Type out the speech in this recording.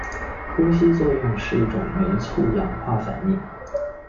呼吸作用是一种酶促氧化反应。